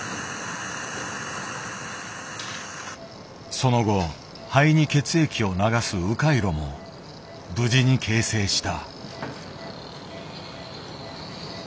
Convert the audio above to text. その後肺に血液を流すう回路も無事に形成した。